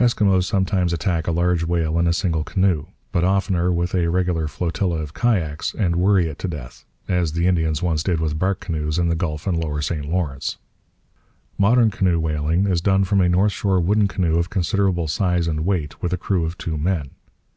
Eskimos sometimes attack a large whale in a single canoe, but oftener with a regular flotilla of kayaks, and worry it to death; as the Indians once did with bark canoes in the Gulf and lower St Lawrence. Modern canoe whaling is done from a North Shore wooden canoe of considerable size and weight with a crew of two men.